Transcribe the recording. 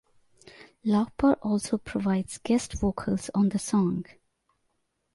Lauper also provides guest vocals on the song.